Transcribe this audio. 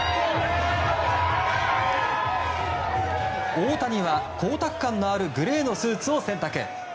大谷は、光沢感のあるグレーのスーツを選択。